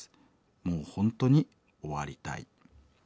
もう本当に終わりたい」。